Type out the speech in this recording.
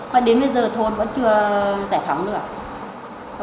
mà đến bây giờ thôn vẫn chưa giải phóng nữa